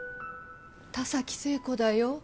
田崎せい子だよ。